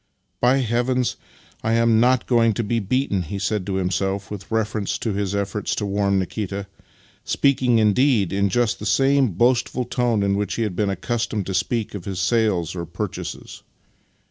" By heavens, I am not going to be beaten! " he said to himself with reference to his efforts to warm Nilvita — speaking, indeed, in just the same boastful tone in which he had been accustomed to speak of his sales or purchases.